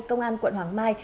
công an quận hoàng mai